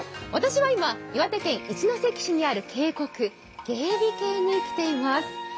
私は今、岩手県一関市に渓谷、猊鼻渓に来ています。